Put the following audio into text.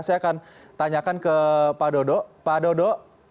saya akan tanyakan ke pak dodo